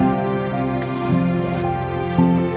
aku mau denger